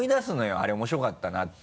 あれ面白かったなって。